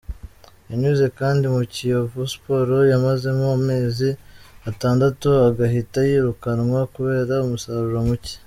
Yanyuze kandi muri Kiyovu Sports yamazemo amezi atandatu agahita yirukanwa kubera umusaruro muke.